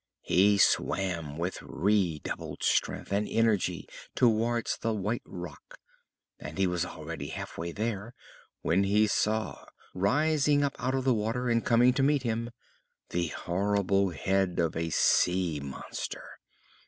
He swam with redoubled strength and energy towards the white rock; and he was already half way there when he saw, rising up out of the water and coming to meet him, the horrible head of a sea monster.